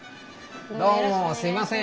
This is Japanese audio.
どうもすみません。